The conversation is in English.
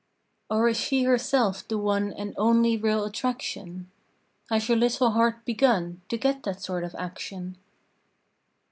Or is she herself the one And only real attraction? Has your little heart begun To get that sort of action?